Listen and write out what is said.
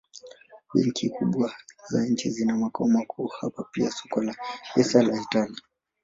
Benki kubwa za nchi zina makao makuu hapa pia soko la hisa la Italia.